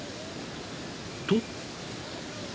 ［と］